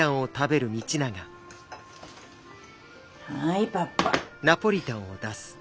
はいパパ。